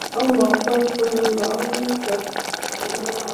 অথচ আমরা প্রায় সবাই এসেছি গ্রাম অথবা ঢাকার বাইরের ছোট শহর থেকে।